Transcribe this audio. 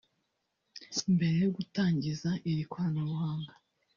Mbere yo gutangiza iri koranabuhanga